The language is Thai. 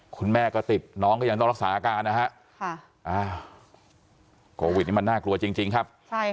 คุณแม่ก็ติดน้องก็ยังต้องรักษาอาการนะฮะโควิดนี่มันน่ากลัวจริงครับ